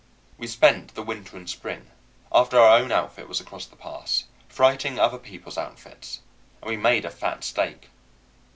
We spent the winter and spring, after our own outfit was across the pass, freighting other people's outfits; and we made a fat stake.